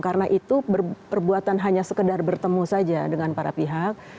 karena itu perbuatan hanya sekedar bertemu saja dengan para pihak